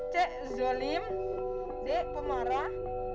c zolim d pemarah e adil